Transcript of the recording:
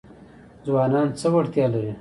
ځوانان څه وړتیا لري؟